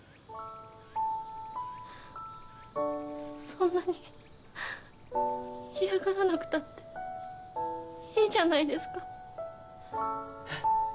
そんなに嫌がらなくたっていいじゃないですかえっ